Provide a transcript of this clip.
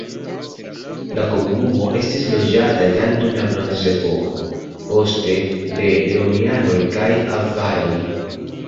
La komunumo estis loĝata jam dum la bronzepoko, poste de romianoj kaj avaroj.